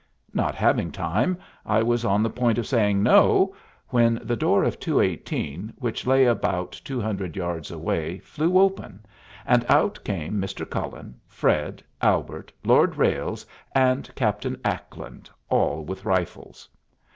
Not having time, I was on the point of saying "No," when the door of 218, which lay about two hundred yards away, flew open, and out came Mr. Cullen, Fred, Albert, Lord Ralles, and Captain Ackland, all with rifles.